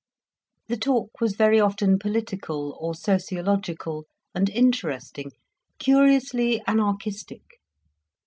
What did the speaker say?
The talk was very often political or sociological, and interesting, curiously anarchistic.